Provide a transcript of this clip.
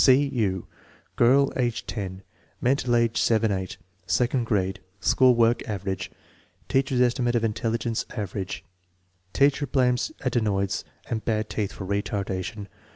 C. U. Girl, age 10; mental age 7 8; second grade; school work "average.'"; teacher* $ estimate of intelligence " average" Teacher blames adenoids and bad teeth for retardation.